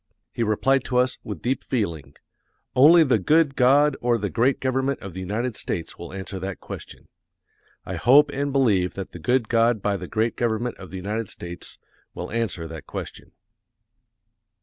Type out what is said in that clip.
He replied to us, with deep feeling, "Only the good God or the great government of the United States will answer that question." I hope and believe that the good God by the great government of the United States will answer that question.